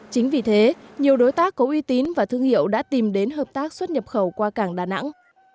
chính vì thế nhiều đối tác có uy tín và thương hiệu đã tìm đến hợp tác xuất nhập khẩu qua cảng đà nẵng